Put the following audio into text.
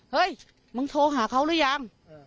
เฮ้ยมึงโทรหาเขาหรือยัง